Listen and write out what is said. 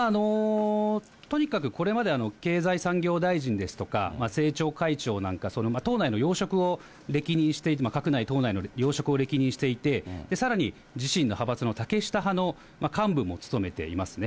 とにかくこれまで経済産業大臣ですとか、政調会長なんか、党内の要職を歴任して、閣内、党内の要職を歴任していて、さらに自身の派閥の竹下派の幹部も務めていますね。